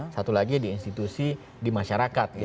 satu lagi di institusi di masyarakat